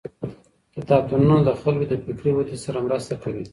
کتابتونونه د خلګو د فکري ودې سره مرسته کوي.